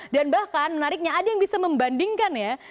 dan bahkan menariknya ada yang bisa membandingkan ya